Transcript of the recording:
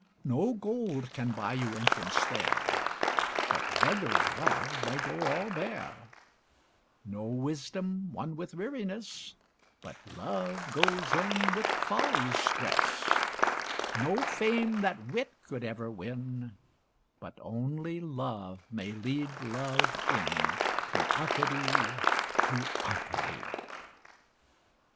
No gold can buy you entrance, there, But beggared Love may go all bare; No wisdom won with weariness, But Love goes in with Folly's dress; No fame that wit could ever win, But only Love, may lead Love in To Arcady, to Arcady.